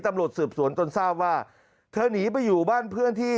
ตำรวจสืบสวนจนทราบว่าเธอหนีไปอยู่บ้านเพื่อนที่